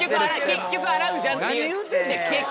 結局洗うじゃんっていう。